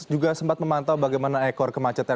juga sempat memantau bagaimana ekor kemacetan